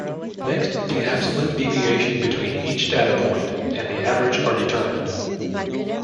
Next the absolute deviation between each data point and the average are determined.